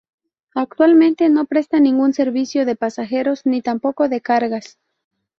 Actualmente, no presta ningún servicio de pasajeros ni tampoco de cargas.